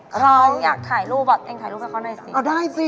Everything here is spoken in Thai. เขาอยากถ่ายรูปอ่ะถ่ายรูปให้เขาหน่อยซิ